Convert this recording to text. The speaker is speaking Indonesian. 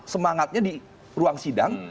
semangatnya di ruang sidang